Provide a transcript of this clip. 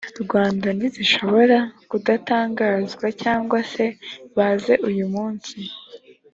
rwanda ntizishobora kudatangazwa cyangwa se bazeuyumunsi